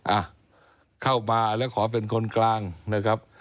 อ่ะเข้ามาแล้วขอเป็นคนกลางนะครับ